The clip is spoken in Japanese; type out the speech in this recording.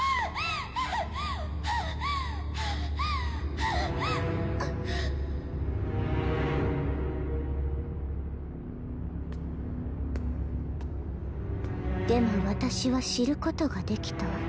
はぁはぁはぁあっでも私は知ることができた。